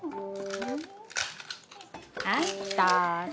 はいどうぞ。